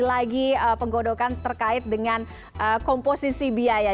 lagi penggodokan terkait dengan komposisi biaya